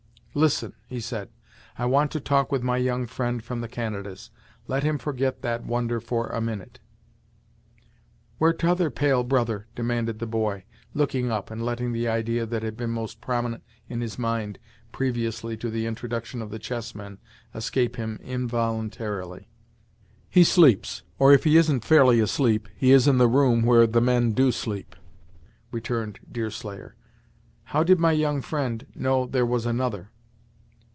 "Listen," he said; "I want to talk with my young friend from the Canadas. Let him forget that wonder for a minute." "Where t'other pale brother?" demanded the boy, looking up and letting the idea that had been most prominent in his mind, previously to the introduction of the chess men, escape him involuntarily. "He sleeps, or if he isn't fairly asleep, he is in the room where the men do sleep," returned Deerslayer. "How did my young friend know there was another?"